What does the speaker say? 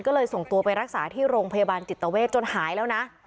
ก็เลยส่งตัวไปรักษาที่โรงพยาบาลจิตเวทจนหายแล้วนะ